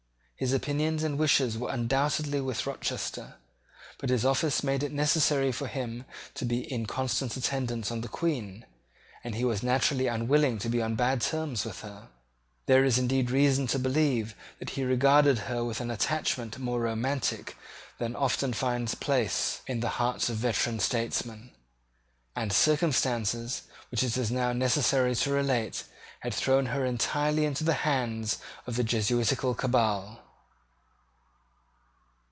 His opinions and wishes were undoubtedly with Rochester; but his office made it necessary for him to be in constant attendance on the Queen; and he was naturally unwilling to be on bad terms with her. There is indeed reason to believe that he regarded her with an attachment more romantic than often finds place in the hearts of veteran statesmen; and circumstances, which it is now necessary to relate, had thrown her entirely into the hands of the Jesuitical cabal.